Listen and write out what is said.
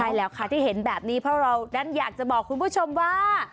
ใช่แล้วค่ะที่เห็นแบบนี้เพราะเรานั้นอยากจะบอกคุณผู้ชมว่า